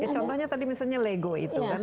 contohnya tadi misalnya lego itu kan